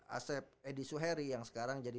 asep edi suheri yang sekarang jadi